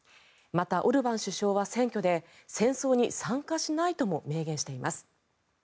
また、オルバン首相は選挙で戦争に参加しないとも明言しています。